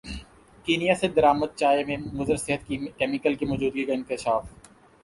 Kenya سے درامد چائے میں مضر صحت کیمیکل کی موجودگی کا انکشاف